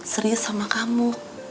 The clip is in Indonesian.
serius sama kamu